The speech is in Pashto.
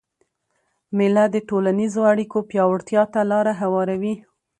مېله د ټولنیزو اړیکو پیاوړتیا ته لاره هواروي.